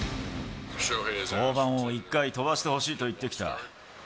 登板を１回飛ばしてほしいと言ってきた。